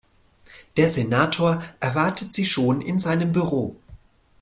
Der Senator erwartet Sie schon in seinem Büro.